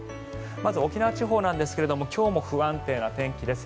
まず沖縄地方ですが今日も不安定な天気です。